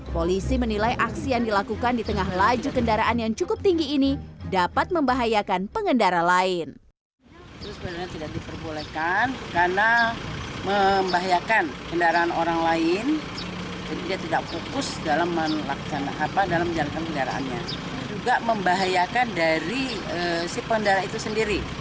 polisi menilai aksi yang dilakukan di tengah laju kendaraan yang cukup tinggi ini dapat membahayakan pengendara lain